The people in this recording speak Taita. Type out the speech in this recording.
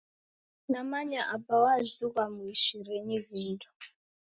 Namanya Aba wazughwa muishirenyi vindo.